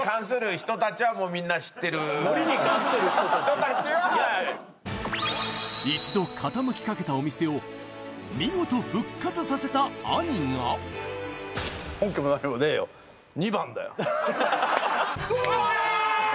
人たちは一度傾きかけたお店を見事復活させた兄がわあうおー！